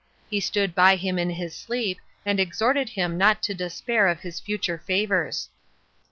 He stood by him in his sleep, and exhorted him not to despair of his future favors.